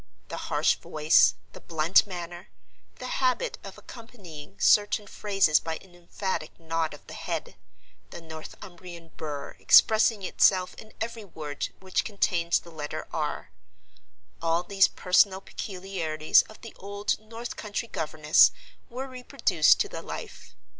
The harsh voice, the blunt manner, the habit of accompanying certain phrases by an emphatic nod of the head, the Northumbrian burr expressing itself in every word which contained the letter "r"—all these personal peculiarities of the old North country governess were reproduced to the life.